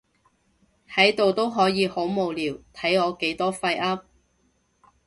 喺度都可以好無聊，睇我幾多廢噏